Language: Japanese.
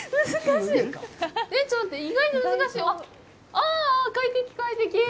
あ、快適、快適。